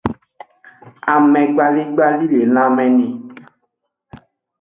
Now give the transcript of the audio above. Amegbaligbali le lanme ni.